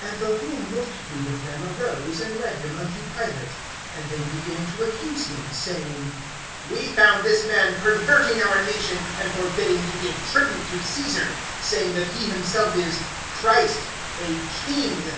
AND the whole multitude of them arose, and led him unto Pilate. (2)And they began to accuse him, saying: We found this man perverting our nation, and forbidding to give tribute to Caesar, saying that he himself is Christ, a king.